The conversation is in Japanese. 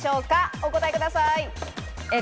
お答えください。